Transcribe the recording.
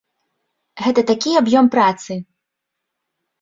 Гэта такі аб'ём працы!